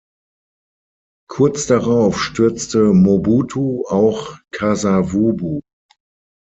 Kurz darauf stürzte Mobutu auch Kasavubu.